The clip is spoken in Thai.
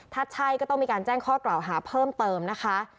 ถ้าใช่ก็ต้องมีการแจ้งข้อกล่าวหาเพิ่มเติมนะคะ